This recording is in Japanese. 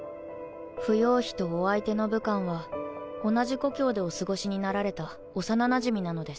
芙蓉妃とお相手の武官は同じ故郷でお過ごしになられた幼なじみなのです。